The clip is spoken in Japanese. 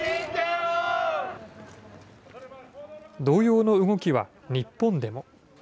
同様の動きは日本でも。